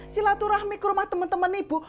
si latu rahmi ke rumah temen temen ibu